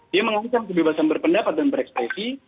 dia mengancam kebebasan berpendapat dan berekspresi